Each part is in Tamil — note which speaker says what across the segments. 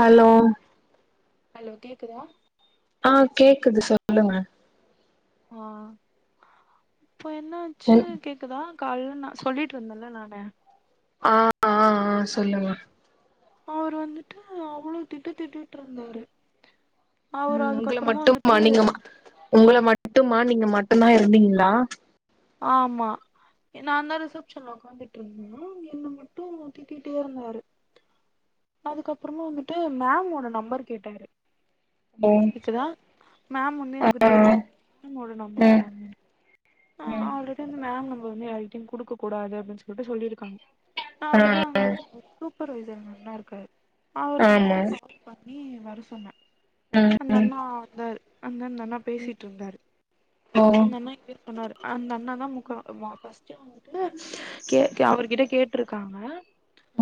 Speaker 1: ஹலோ
Speaker 2: ஹலோ கேக்குதா
Speaker 1: ஆ கேக்குது சொல்லுங்க
Speaker 2: ஆ இப்ப என்னாச்சு
Speaker 1: ம்
Speaker 2: கேக் க்குதா கால்ல நா சொல்லிட்டு இருந்தேல நானு
Speaker 1: ஆ ஆ ஆ சொல்லுங்க
Speaker 2: அவர் வந்துட்டு அவ்ளோ திட்டுத்திட்டிட்டு இருந்தாரு அவரு
Speaker 1: உம் உங்கள
Speaker 2: அதுக்கப்புறமா
Speaker 1: மட்டுமா
Speaker 2: வந்துட்டு
Speaker 1: நீங்க உங்கள மட்டுமா நீங்க மட்டுதான் இருந்தீங்ளா
Speaker 2: ஆமா ஏ நா தான் ரிசப்ஷன்ல உக்காந்துட்டு இருந்தேனா என்ன மட்டும் திட்டிட்டே இருந்தாரு அதுக்கப்புறமா வந்துட்டு மேம்வோட நம்பர் கேட்டாரு
Speaker 1: ம்
Speaker 2: இருக்குதா மேம் வந்து எனக்கு
Speaker 1: ஆ
Speaker 2: தெரியும் மேமோட நம்பர்
Speaker 1: ம்
Speaker 2: தாங்கனு நா
Speaker 1: ம்
Speaker 2: ஆல்ரெடி வந்து மேம் நம்மர் வந்து யாரிட்டையும் கொடுக்க கூடாது அப்படின்னு சொல்லிட்டு சொல்லியிருக்காங்க நா
Speaker 1: ஆ
Speaker 2: வந்துட்டு
Speaker 1: ஆ
Speaker 2: அவங்க சூப்பர்வைசர்ன் அண்ணா இருக்காரு அவருக்கு
Speaker 1: ஆமா
Speaker 2: வந்துட்டு கால் பண்ணி வர சொன்னே
Speaker 1: ம்
Speaker 2: அந்த
Speaker 1: ம்
Speaker 2: அண்ணா வந்த அண்ணண்ணா பேசிட்டு இருந்தாரு
Speaker 1: ஓ
Speaker 2: அந்த அண்ணா இங்க சொன்னாரு அந்த அண்ணா தா முக வாபஸ் கேக்கே அவர்கிட்ட கேட்டுருக்காங்க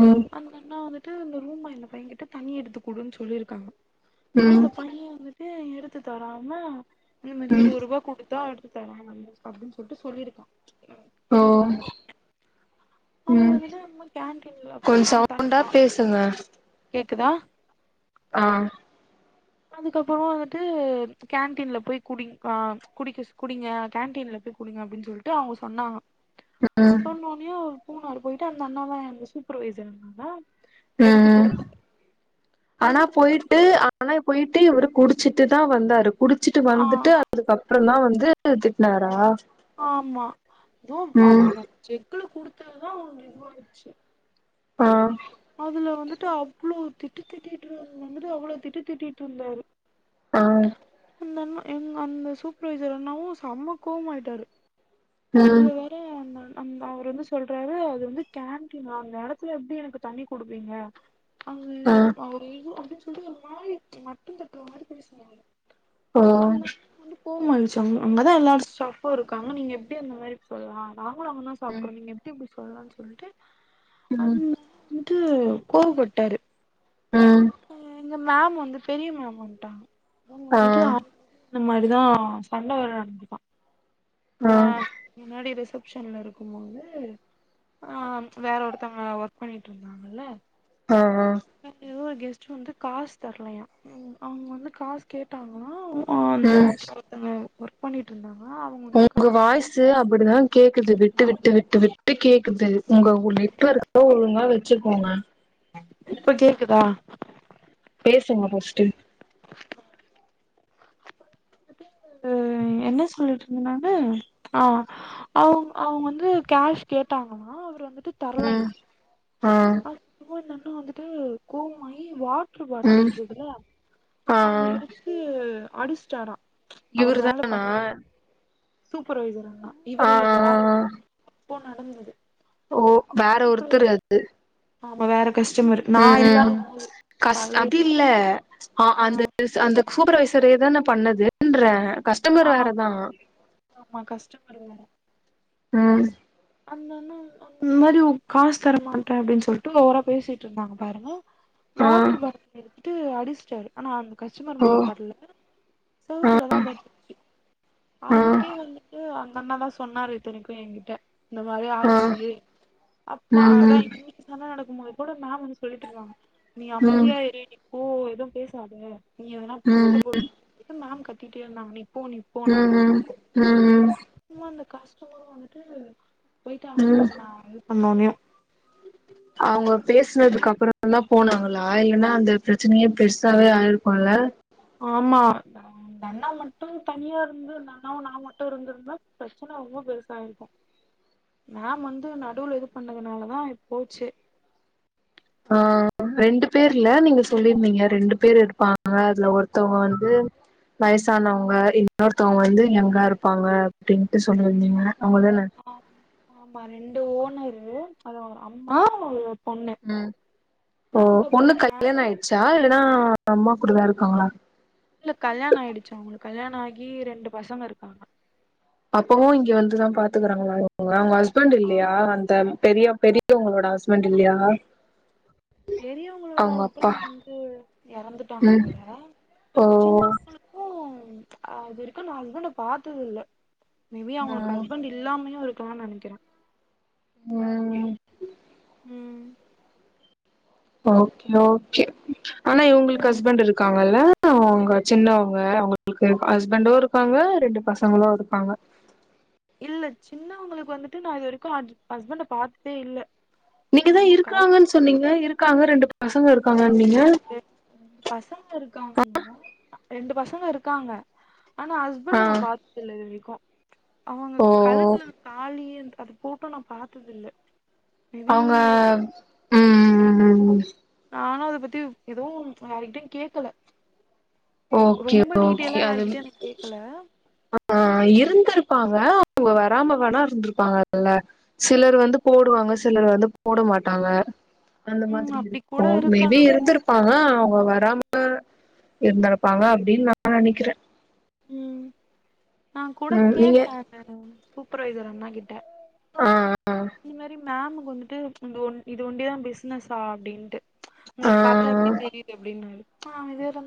Speaker 1: உம்
Speaker 2: அந்த அண்ணா வந்துட்டு இந்த ரூம் இந்த பையன் கிட்ட தண்ணி எடுத்து குடுன்னு சொல்லிருக்காங்க அந்த
Speaker 1: ம்
Speaker 2: பையன் வந்துட்டு ஏ எடுத்து தராம இந்த மாதிரி
Speaker 1: ம்
Speaker 2: இருவது ரூபா குடுத்தா எடுத்து தராங்க அப்டின்னு சொல்லிட்டு சொல்லிருக்கா
Speaker 1: ஓ
Speaker 2: சொல்லிருக்கா அந்த பைய அதுல
Speaker 1: ம்
Speaker 2: வந்துட்டு இப்ப கேன்டீன்ல
Speaker 1: கொஞ்ச
Speaker 2: அப்பமா தன்
Speaker 1: சவுண்டா
Speaker 2: ஆ
Speaker 1: பேசுங்க
Speaker 2: கேக்குதா
Speaker 1: ஆ
Speaker 2: அதுக்கப்புறமா வந்துட்டு கேன்டீன்ல போய் குடிங் ஆ குடிக்க குடிங்க கேன்டீன்ல போய் குடிங்க அப்டின்னு சொல்லிட்டு அவங்க சொன்னாங்க
Speaker 1: உம் உம்
Speaker 2: சொன்னோனையும் பூனாார் போயிட்டு அந்த அண்ணாதான் அந்த சூப்பர்வைசர் அண்ணாதா
Speaker 1: அ அ ஆனா
Speaker 2: எடுத்து குடுத்
Speaker 1: போயிட்டு அந் ஆனா போயிட்டு இவரு குடிச்சிட்டு தான் வந்தாரு குடிச்சிட்டு
Speaker 2: ஆ
Speaker 1: வந்துட்டு அதுக்கப்புற தா வந்து திட்னாரா
Speaker 2: ஆமா துவும்
Speaker 1: ம்
Speaker 2: அவருக்கு அந்த செக்குல குடுத்ததுதான் நிருவாயிருச்சு
Speaker 1: ஆ
Speaker 2: அதுல வந்துட்டு அவ்வளவு திட்டு திட்டிட்டு இரு வந்துட்டு அவ்வளோ திட்டு திட்டிட்டு இருந்தாரு
Speaker 1: ஆ
Speaker 2: அந்தண்ணா எங்க அந்த சூப்பர்வைசர் அண்ணாவும் சம கோவமா ஆயிட்டாரு
Speaker 1: ம்
Speaker 2: அதுல வேற அந் அண் அந் அவர் வந்து சொல்றாரு அது வந்து கேன்டினா அந்த எடத்துல எப்படி எனக்கு தண்ணி குடுப்பீங்க அது
Speaker 1: ஆ
Speaker 2: அவ டேய்லியு அப்டின்னு சொல்லிட்டு ஒரு மாரி மட்டம் தட்டுற மாரி பேசுன்னாங்க
Speaker 1: ஓ
Speaker 2: அந்த அண்ண வந்து கோவமாருந்துச்சு அங்கதா எல்லாரும் சாப்பும் இருக்காங்க நீங்க எப்படி அந்த மாரி சொல்லலாம் நாங்களும் அங்கதான்
Speaker 1: ம்
Speaker 2: சாப்ட்ரோ நீங்க எப்டி இப்டி சொல்லலாம்னு சொல்லிட்டு
Speaker 1: ம்
Speaker 2: அந்த [inaudible] வந்துட்டு கோவ் பட்டாரு
Speaker 1: ம்
Speaker 2: அ எங்க மேம் வந்து பெரிய மேம் வந்துட்டாங்க அவுங்க
Speaker 1: ஆ
Speaker 2: வந்துட்டு இந்த மாரிதா சண்ட வர நடந்துதான் ஆ முன்னாடி ரிசப்ஷன்ல இருக்கும்போது ஆ வேற ஒருத்தவங்க ஒர்க் பண்ணிட்ருந்தாங்கல்ல
Speaker 1: ஆ ஆ
Speaker 2: அ எதோ ஒரு கெஸ்ட் வந்து காசு தரலையா அவுங்க வந்து காசு கேட்டாங்கல்லா அவ ஆந்த
Speaker 1: ம்
Speaker 2: ஒருத்தங்க ஒர்க் பண்ணிட்ருந்தாங்க அவுங்க வந்துட்டு காஸ்
Speaker 1: சே அப்பிடிதா கேக்குது விட்டு விட்டு விட்டு விட்டு கேக்குது உங்க ‌நெட் ஒர்கு ஒருநாள் வெச்சுக்கோங்க
Speaker 2: இப்ப கேக்குதா
Speaker 1: பேசுங்க ஃபர்ஸ்ட்டு
Speaker 2: என்ன சொல்லிட்ருந்த நானு ஆ அவு அவுங்க வந்து கேஷ் கேட்டாங்கன்னா அவர் வந்துட்டு
Speaker 1: ம்
Speaker 2: தர்லயா
Speaker 1: ஆ
Speaker 2: அப்பும் அந்த அண்ணா வந்துட்டு கோபமா ஆயி வாஸ் ட்ரு பாட்லு
Speaker 1: ம்
Speaker 2: இருக்குதுல
Speaker 1: ஆ
Speaker 2: அத எடுத்து அடிஸ்சிட்டாரா
Speaker 1: இவுரு தானா
Speaker 2: சூப்பர்வைசர் அண்ணா
Speaker 1: ஆ
Speaker 2: இவரு இல்ல வேற
Speaker 1: ஆ
Speaker 2: எப்போ நடந்தது
Speaker 1: ஓ வேற
Speaker 2: சூப்பர்வை-
Speaker 1: ஒருத்தர் அது
Speaker 2: ஆமா வேற கஷ்டமரு
Speaker 1: ம் ம் கஸ் அது இல்ல ஆ அந்த இஸ் அந்த சூப்பர்வைசரே தான பண்ணதுன்றே
Speaker 2: ஆ
Speaker 1: கஸ்டமர் வேற தா
Speaker 2: ஆமா கஷ்டபடுறவுங்க
Speaker 1: ம்
Speaker 2: அந்த அண்ணா இந்த மாரி [unintelligible] காஸ் தரமாட்டே அப்டின் சொல்ட்டு ஒவரா பேசிட்ருந்தாங்க பாருங்க
Speaker 1: ஆ
Speaker 2: வாட்ரு பாட்டில் எடுத்துட்டு அடிச்சிட்டாரு ஆனா அந்த கஸ்டமர்
Speaker 1: ஓ
Speaker 2: மேல பட்ல
Speaker 1: ஆ
Speaker 2: செவுத்துல தா பட்டுச்சி
Speaker 1: ஆ
Speaker 2: அதுக்கே வந்துட்டு அந்த அண்ணா தா சொன்னாரு இத்தனைக்கூ எங்கிட்ட இந்த மாரி
Speaker 1: ஆ
Speaker 2: ஆச்சு அப்பா அததா
Speaker 1: ம்
Speaker 2: இன்னிக் என்ன நடக்கும் போது கூட மேம் வந்து சொல்லிட்டு இருந்தாங்க நீ
Speaker 1: ம் ம்
Speaker 2: அமைதியா இரு போ எதுவு பேசாத நீ எதனா
Speaker 1: ம்
Speaker 2: சண்டை போட்டு மேம் கத்திட்டே இருந்தாங்க நீ போ நீ போனாம்
Speaker 1: ம்
Speaker 2: பேக்குக்கு
Speaker 1: ம்
Speaker 2: அம்பும் அந்த கஷ்டமர் வந்துட்டு போய்ட்டா
Speaker 1: ம்
Speaker 2: [unintelligible] நா இது பண்ணோனே
Speaker 1: அவுங்க பேசுனதுக்கு அப்பறொ தா போனாங்களா இல்லன்னா அந்த பிரச்சனையே பெருசாவே ஆயிருக்குல்ல
Speaker 2: ஆமா அந்த அண்ணா மட்டு தனியா இருந்து அந்த அண்ணாவு நா மட்டு இருந்திருந்தா பிரச்சன ரொம்ப பெருசா ஆயிருக் க்கூ நா வந்து நடுவுல இது பண்ணதுனாலதா போச்சே
Speaker 1: ஆ ரெண்டு பேர்ல நீங்க சொல்லிருந்தீங்க ரெண்டு பேர் இருப்பாங்க அதுல ஒருத்தவுங்க வந்து வயசானவுங்க இன்னொருத்தவுங்க வந்து எங் கா இருப்பாங்க அப்டின்ட்டு சொல்லிருந்தீங்க அவுங்கதான
Speaker 2: ஆம் ஆமா ரெண்டு ஓனர்ரு அது ஒரு அம்மா ஒரு பொண்ணு
Speaker 1: ம் ஓ
Speaker 2: அதுக்கப்றோ
Speaker 1: பொண்ணுக் கல்யாண
Speaker 2: நானு
Speaker 1: ஆயிட்ச்சா இல்லன்னா அம்மா கூடதா இருக்காங்களா
Speaker 2: இல்ல கல்யாண ஆயிடுச்சி அவுங்களுக்கு கல்யாண ஆகி ரெண்டு பசங்க இருக்காங்க
Speaker 1: அப்பவு இங்கே வந்துதா பாத்துக்கறாங்களா இவுங்க அவுங்க ஹஸ்பண்ட்
Speaker 2: ஆ
Speaker 1: இல்லையா அந்த பெரியா பெரியவுங்களோட ஹஸ்பண்ட் இல்லையா
Speaker 2: பெரியவுங்களோட
Speaker 1: அவங்க
Speaker 2: ஹஸ்பண்ட்
Speaker 1: அப்பா
Speaker 2: வந்து எறந்துட்டாங்க
Speaker 1: ம்
Speaker 2: போல
Speaker 1: ஓ
Speaker 2: சின்னவுங்களுக் கூ அது வரைக்கூ நா ஹஸ்பண்ட பாத்தது இல்ல மே பி அவுங்களுக்கு
Speaker 1: ம்
Speaker 2: ஹஸ்பண்ட் இல் இல்லாமையு இருக்கலான்னு நெனைக்கிறே
Speaker 1: ம்
Speaker 2: ம்
Speaker 1: ஓகே ஓகே ஆனா இவங்களுக்கு
Speaker 2: ம்
Speaker 1: ஹஸ்பண்ட் இருக்காங்கல்ல அவுங்க சின்னவங்க அவுங்களுக்கு ஹஸ்பண்டு இருக்காங்க ரெண்டு பசங்களு இருக்காங்க
Speaker 2: இல்ல சின்னவங்களுக்கு வந்துட்டு நா இது வரைக்கு ஹஸ் ஹஸ்பண்ட பாத்ததே இல்ல
Speaker 1: நீங்கதான்
Speaker 2: அவங்க கல்
Speaker 1: இருக்கறாங்கன்னு சொன்னீங்க இருக்காங்க ரெண்டு பசங்க இருக்காங்கனீங்க
Speaker 2: ரெண்டு பசங்க இருக்காங்கங்க ரெண்டு பசங்க இருக்காங்க ஆனா ஹஸ்
Speaker 1: ஆ
Speaker 2: ஹஸ்பண்ட நா பாத்தது இல்ல இது வரைக்கு அவுங்க
Speaker 1: ஓ
Speaker 2: கழுத்துல தாலி அது போட்டு நா பாத்தது இல்ல
Speaker 1: அவுங்க
Speaker 2: மேபி
Speaker 1: ம் ம் ம்
Speaker 2: நானு அத பத்தி எதுவு யார்ட்டயு கேக்கல
Speaker 1: ஓகே
Speaker 2: ரொம்ப
Speaker 1: ஓகே
Speaker 2: டீட்டெய்லா
Speaker 1: அது
Speaker 2: யாருட்டயு நா கேக்கல
Speaker 1: ஆ இருந்திருப்பாங்க அவுங்க வராம வேணா இருந்திருப்பாங்கல்ல சிலர் வந்து போடுவாங்க சிலர் வந்து போட மாட்டாங்க அந்த
Speaker 2: ம்
Speaker 1: மாதிரி
Speaker 2: அப்டி
Speaker 1: இருக்கு
Speaker 2: கூட
Speaker 1: மேபி
Speaker 2: இருக்கலா
Speaker 1: இருந்திருப்பாங்க அவுங்க வராம இருந்தர்ப்பாங்க அப்டின்னு நா நெனைக்கிற
Speaker 2: ம் நா கூட
Speaker 1: ம் நீங்க
Speaker 2: கேட்டன் சூப்பர்வைசர் அண்ணா கிட்ட
Speaker 1: ஆ
Speaker 2: இது மாரி மேமுக்கு வந்துட்டு இந்த ஒன் இது ஒண்டிதான் பிசினஸா அப்டின்ட்டு
Speaker 1: ஆ
Speaker 2: உங்களுக்கு பாத்தா எப்டி தெரிது அப்டினாரு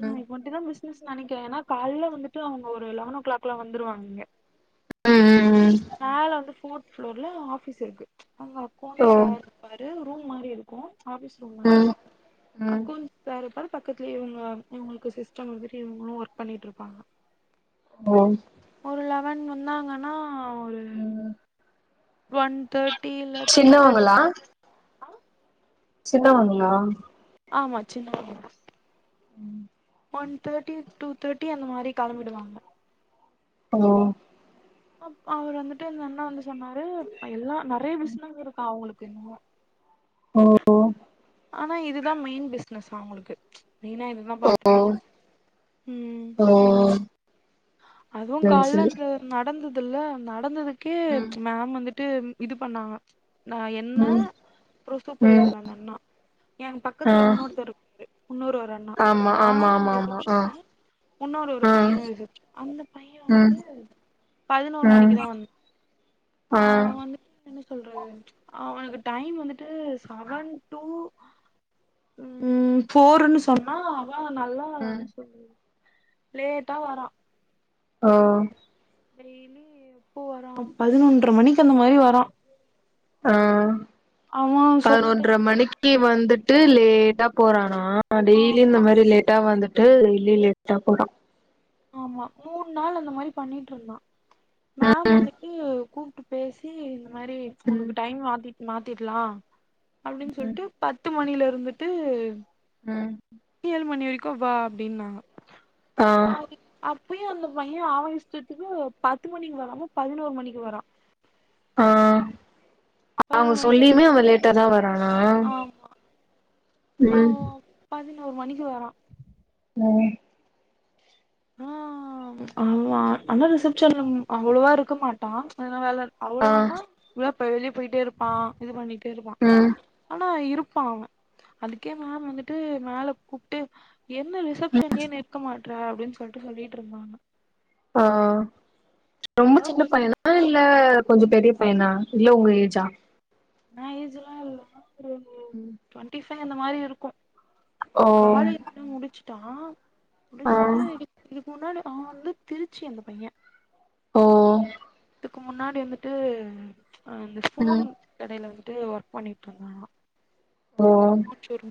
Speaker 1: ம்
Speaker 2: மட்டுந்தான் பிசினஸ் நெனைக்கிறன் ஏனா கால்ல வந்துட்டு அவுங்க ஒரு லெவன் ஓ கிளாக்ல்லா வந்துருவாங்க இங்க
Speaker 1: ம் ம் ம்
Speaker 2: மேல வந்து போர்த் ப்ளோர்ல ஆபீஸ் இருக்கு அங்க
Speaker 1: ஓ
Speaker 2: அக்கோன்ஸ் சார் பாரு ரூம் மாரி இருக்கு ஆஃபிஸ் ரூம் மாரி
Speaker 1: ம்
Speaker 2: அ
Speaker 1: ம்
Speaker 2: கொ வேற பாரு பக்கத்துலயே இவுங்க இவுங்களுக்கு சிஸ்டம் அது மாரி இவங்களுமன ஒர்க் பண்ணிட்டு இருப்பாங்க
Speaker 1: ஓ
Speaker 2: ஒரு லெவன் வந்தாங்கன்னா ஒரு
Speaker 1: ம்
Speaker 2: ஒன் தேட்டி இல்ல டூ தேட்டி
Speaker 1: சின்னவங்களா சின்னவங்ளா
Speaker 2: ஆமா சின்னவங்கதான்
Speaker 1: ம்
Speaker 2: ஒன் தேட்டி டூ தேட்டி அந்த மாரி கெளம்பிடுவாங்க
Speaker 1: ஓ
Speaker 2: அப் அவர் வந்துட்டு அந்த அண்ணா வந்து சொன்னாரு எல்லா நெறையா பிசினஸ் இருக்கா அவுங்களுக்கு என்னமோ
Speaker 1: ஓ
Speaker 2: ஆனா இதுதான் மெயின் பிசினஸ்ஸா அவுங்களுக்கு மெயினா இது எல்லா பாத்துப்பாங்க ம்
Speaker 1: ஓ
Speaker 2: அதுவு
Speaker 1: சரி
Speaker 2: காலைல
Speaker 1: சரி
Speaker 2: அந்த நடந்ததுல்ல நடந்ததுக்கே
Speaker 1: ம்
Speaker 2: மேம் வந்துட்டு இது பண்ணாங்க நா என்ன
Speaker 1: ம் ம்
Speaker 2: சூப்பர்வைசர் அந்த அண்ணா என்
Speaker 1: ஆ
Speaker 2: பக்கத்துல இன்னொருத்தர் இருக் இன்னொரு ஒரு அண்ணா
Speaker 1: ஆமா
Speaker 2: நானு
Speaker 1: ஆமா ஆமா
Speaker 2: ஒரு
Speaker 1: ஆமா ஆ
Speaker 2: ரிசப்ஷன்னு இன்னொரு ஒரு
Speaker 1: ஆ
Speaker 2: பையன்ன வெச்சு அந்த பையன்
Speaker 1: ம்
Speaker 2: வந்துட்டு பதினோரு
Speaker 1: ம்
Speaker 2: மணிக்குதான் வந்
Speaker 1: ஆ
Speaker 2: அவன் வந்து என்ன சொல்றது அவனுக்கு டைம் வந்துட்டு செவன் டூ ம் ஃபோருன்னு சொன்னா அவா நல்லா நா
Speaker 1: ம்
Speaker 2: என்ன சொல்றது லேட்டா வர்றான்
Speaker 1: ஓ
Speaker 2: டெய்லி எப்போ வரா பதினொன்ற மணிக்கு அந்த மாரி வரா
Speaker 1: ஆ
Speaker 2: அவ சொன்ன
Speaker 1: பதினொன்ற
Speaker 2: டைமுக்கு வரா
Speaker 1: மணிக்கு வந்துட்டு லேட்டா போறானா ஆ டெய்லி இந்த
Speaker 2: ஆமா
Speaker 1: மாரி லேட்டா வந்துட்டு டெய்லி லேட்டா போறா
Speaker 2: ஆமா மூண் நாள் அந்த மாரி பண்ணிட்ருந்தா மேம் அன்னிக்கி கூப்டுட் பேசி இந்த மாரி
Speaker 1: ம்
Speaker 2: உனக்கு டைம் மாத்தி மாத்திட்லா அப்டின் சொல்ட்டு பத்து மணில இருந்துட்டு
Speaker 1: ம்
Speaker 2: ஏழு மணி வரிக்கு வா அப்டின்னாங்க
Speaker 1: ஆ
Speaker 2: அ அப்பயு அந்த பைய ஆவ இஷ்டத்துக்கு பத்து மணிக்கு வராம பதினோரு மணிக்கு வரா
Speaker 1: ஆ அவுங்க
Speaker 2: பதினோரு மணிக்கு வந்து
Speaker 1: சொல்லியுமே அவ லேட்டாதா வரானா ம்
Speaker 2: அவ பதினோரு மணிக்கு வரா
Speaker 1: ம்
Speaker 2: ஆ ஆ ஆனா ரிசப்ஷன்ல அவ்ளோவா இருக்க மாட்டா எதனா வேல
Speaker 1: ஆ
Speaker 2: அவ்ளோனா இல்ல இப்ப வெளிய போய்ட்டே இருப்பா இது பண்ணிட் டே இருப்பா
Speaker 1: ம்
Speaker 2: ஆனா இருப்பா அவ அதுக்கே மேம் வந்துட்டு மேல கூப்ட்டு என்ன ரிசப்ஷன்லே நிற்க மாட்ற அப்டின் சொல்ட்டு சொல்லிட்ருந்தாங்க
Speaker 1: ஆ ரொம்ப
Speaker 2: அதா
Speaker 1: சின்ன
Speaker 2: கொஞ்ச
Speaker 1: பையனா ஆ இல்ல கொஞ்சோ பெரிய பையனா இல்ல உங்க ஏஜா
Speaker 2: எ ஏஜ்லா இல்ல [unintelligible] பைய
Speaker 1: ம்
Speaker 2: டுவெண்ட்டி ஃபைவ் அந்த மாரி இருக்கு
Speaker 1: ஓ
Speaker 2: காலேஜ் முடிச்சுட்டா
Speaker 1: ஆ
Speaker 2: முடிச்சுட்டு இது இதுக் முன்னாடி அவ வந்து திருச்சி அந்த பைய
Speaker 1: ஓ
Speaker 2: இதுக்கு முன்னாடி வந்துட்டு அந்த
Speaker 1: ம்
Speaker 2: ஸ்பூன் கடைல வந்துட்டு ஒர்க் பண்ணிட்ருந்தா
Speaker 1: ஓ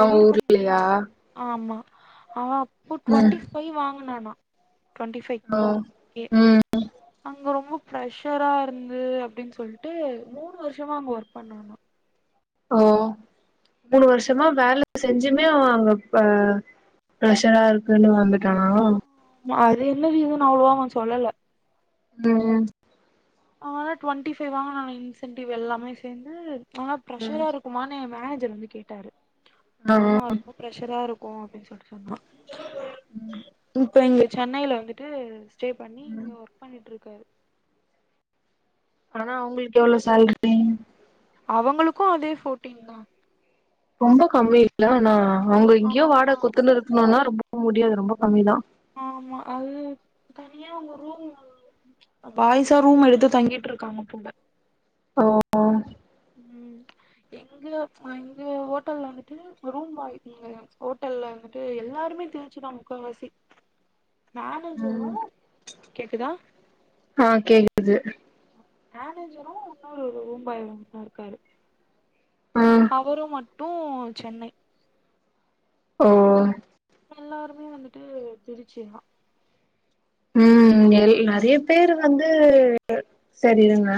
Speaker 1: அவ
Speaker 2: சொல்லிருப்ப
Speaker 1: ஊர்லையா
Speaker 2: நெனைக்கிறே ஆமா அவ அப்போ
Speaker 1: ம்
Speaker 2: ட்வெண்ட்டி ஃபைவ் வாங்கனாண்ணா டுவென்டி ஃபைவ்
Speaker 1: ஓ
Speaker 2: கே
Speaker 1: ம்
Speaker 2: அங்க ரொம்ப ப்ரஷரா இருந்து அப்டின்னு சொல்ட்டு மூணு வருஷமா அங்க ஒர்க் பண்ணே ஆனா
Speaker 1: அவவெவ மூணு வருஷமா வேல செஞ்சுமே அவ அங்க ஆ ப்ரெஷ்ஷரா இருக்குன் வந்துட்டானா
Speaker 2: அது என்ன ரீசன் அவ்ளோவா அவ சொல்லல
Speaker 1: ம் ம்
Speaker 2: ஆனா டுவெண்ட்டி ஃபைவ் வாங்கனானா இன்சென்டிவ் எல்லாமே சேந்து ஆனா
Speaker 1: ம்
Speaker 2: ப்ரஷ்ஷரா இருக் குமானு ஏ மேனேஜர் வந்து கேட்டாரு
Speaker 1: ஆ
Speaker 2: ஆமா இருக்கு ப்ரெஷ்ஷரா இருக்கு அப்டின் சொல்ட்டு சொன்னா
Speaker 1: ம்
Speaker 2: இப்ப இங்க சென்னைல வந்துட்டு ஸ்டே பண்ணி இங்க
Speaker 1: ம்
Speaker 2: ஒர்க் பண்ணிட்ருக்காரு
Speaker 1: ஆனா அவுங்குளுக்கு எவ்ளோ சேல்ரி
Speaker 2: அவங்களுக்கு அதே ஃபோட்டின்தா
Speaker 1: ரொம்ப கம்மி இல்ல ஆனா அவுங்க இங்கயே வாடக
Speaker 2: ஆமா
Speaker 1: குத்துனு இருக்கணுனா ரொம்ப முடியாது ரொம்ப கம்மிதா
Speaker 2: ஆமா அது தனியா அவுங்க ரூம்மு பாய்சா ரூம் எடுத்து தங்கிட்ருக்காங்க போல
Speaker 1: ஓ ஓ
Speaker 2: ம் இங்க இங்க ஹோட்டல்ல வந்துட்டு ரூம் வா நீங்க எத் ஹோட்டல்ல வந்துட்டு எல்லாருமே சிதா முக்காவாசி நானு
Speaker 1: ம்
Speaker 2: ஜீவு கேக்குதா
Speaker 1: ஆ கேக்குது
Speaker 2: மேனேஜரு இன்னொரு ஒரு ரூம் பாய் ஒன்னு இருக்காரு
Speaker 1: ஆ
Speaker 2: அவரு மட்டு சென்னை
Speaker 1: ஓ
Speaker 2: எல்லாருமே வந்துட்டு திருச்சி தா
Speaker 1: ம் நெல் நறிய பேரு வந்து செரி இருங்க